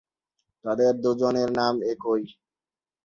তাদের দু'জনের নাম একই।